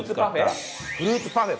フルーツパフェ？